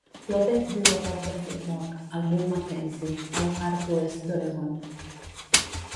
López viu a prop de Finn Rock al riu McKenzie, a la part oest d'Oregon.